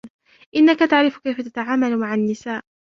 إنك تعرف كيف تتعامل مع النساء.